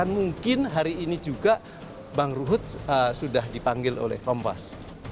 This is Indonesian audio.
mungkin hari ini juga bang ruhut sudah dipanggil oleh kompas